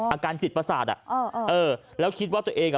อาการจิตประสาทแล้วคิดว่าตัวเอง